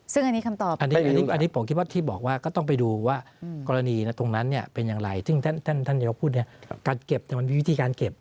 ซึ่งทำทำทำอย่างไร